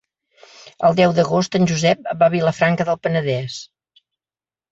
El deu d'agost en Josep va a Vilafranca del Penedès.